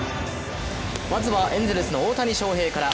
まずはエンゼルスの大谷翔平から。